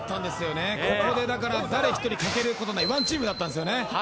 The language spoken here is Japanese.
ここで誰１人欠けることないワンチームだったんです。